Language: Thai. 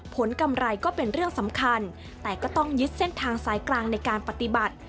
กำไรก็เป็นเรื่องสำคัญแต่ก็ต้องยึดเส้นทางสายกลางในการปฏิบัติ